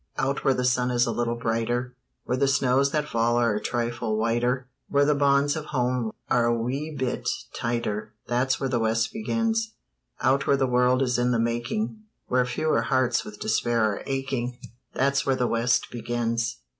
Out where the sun is a little brighter, Where the snows that fall are a trifle whiter, Where the bonds of home are a wee bit tighter That's where the West begins. Out where the world is in the making, Where fewer hearts with despair are aching That's where the West begins.